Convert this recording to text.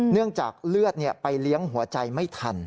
เนื่องจากเลือดไปเลี้ยงหัวใจไม่ทัน